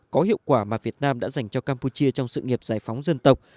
có hiệu quả mà việt nam đã dành cho campuchia trong sự nghiệp giải phóng dân tộc